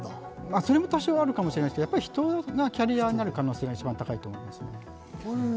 それもあるかもしれないですが、人がキャリアになることが一番多いと思います。